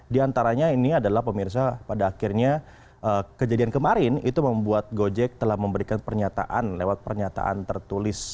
di antaranya ini adalah pemirsa pada akhirnya kejadian kemarin itu membuat gojek telah memberikan pernyataan lewat pernyataan tertulis